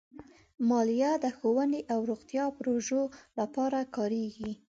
مالیه د ښوونې او روغتیا پروژو لپاره کارېږي.